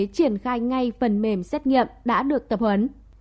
triển khai ngay phần mềm xét nghiệm đã được tập huấn